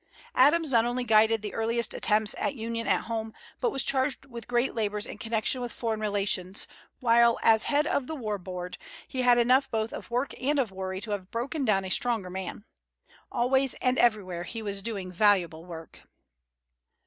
Adams not only guided the earliest attempts at union at home, but was charged with great labors in connection with foreign relations, while as head of the War Board he had enough both of work and of worry to have broken down a stronger man. Always and everywhere he was doing valuable work.